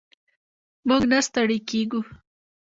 موږ نه ستړي کیږو.